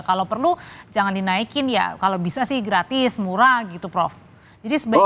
kalau perlu jangan dinaikin ya kalau bisa sih gratis murah gitu prof jadi sebaiknya